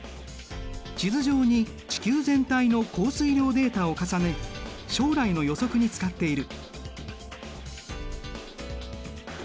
地図上に地球全体の降水量データを重ね将来の予測に使っている。